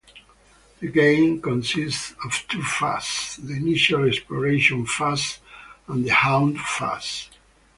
The game consists of two phases, the initial Exploration phase and the Haunt phase.